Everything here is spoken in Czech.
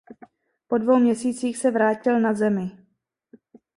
Po dvou měsících se vrátil na Zemi.